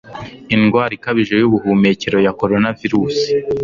Indwara ikabije yubuhumekero ya coronavirusi